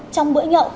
trong bữa nhậu